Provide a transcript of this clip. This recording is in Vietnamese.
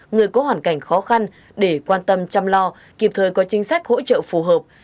người có hoàn cảnh khó khăn để quan tâm chăm lo kịp thời có chính sách hỗ trợ phù hợp